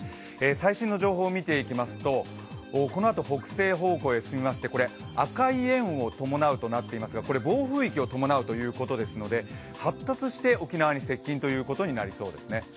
最新の情報を見ていきますと、このあと北西方向へ動きまして赤い円を伴うとなっていますが、暴風域を伴うということですので発達して沖縄に接近ということになりそうですね。